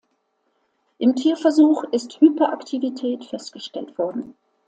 Im Tierversuch ist Hyperaktivität festgestellt worden.